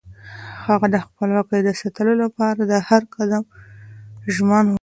هغه د خپلواکۍ د ساتلو لپاره د هر قدم ژمن و.